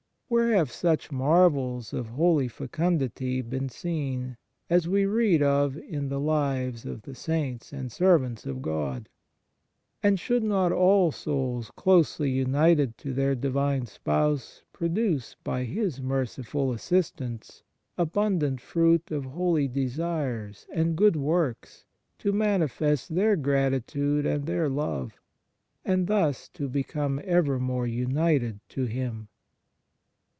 Where have such marvels of holy fecundity been seen as we read of in the lives of the Saints and Servants of God ? And should not all souls closely united to their Divine Spouse produce, by His merciful assistance, abundant fruit of holy desires and good works to manifest their gratitude and their love, and thus to become ever more united to Him